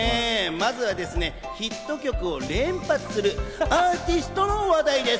まずはヒット曲を連発するアーティストの話題です。